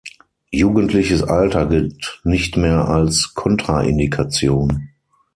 Jugendliches Alter gilt nicht mehr als Kontraindikation.